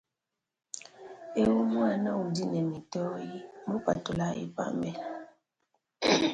Ewu muana udi ne mitoyi mupatulayi pambelu.